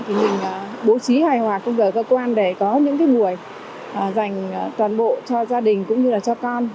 thì mình bố trí hài hòa công giờ cơ quan để có những buổi dành toàn bộ cho gia đình cũng như là cho con